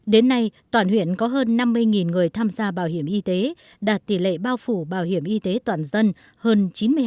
đến nay toàn huyện có hơn năm mươi người tham gia bảo hiểm y tế đạt tỷ lệ bao phủ bảo hiểm y tế toàn dân hơn chín mươi hai